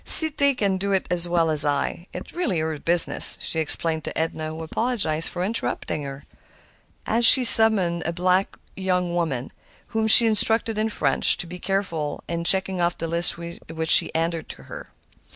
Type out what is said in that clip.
"'Cité can do it as well as I; it is really her business," she explained to Edna, who apologized for interrupting her. And she summoned a young black woman, whom she instructed, in French, to be very careful in checking off the list which she handed her.